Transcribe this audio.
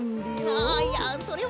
あいやそれはその。